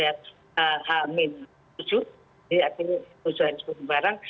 jadi artinya perusahaan yang sudah berubah